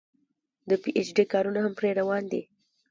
د پي ايچ ډي کارونه هم پرې روان دي